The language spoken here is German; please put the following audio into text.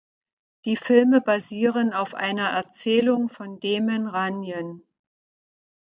Die Filme basieren auf einer Erzählung von Damon Runyon.